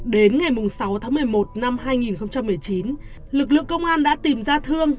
đến ngày sáu tháng một mươi một năm hai nghìn một mươi chín lực lượng công an đã tìm ra thương